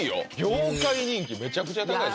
業界人気めちゃくちゃ高いです